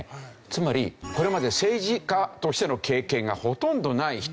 つまりこれまで政治家としての経験がほとんどない人なんですよ。